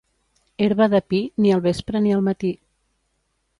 Herba de pi, ni al vespre ni al matí.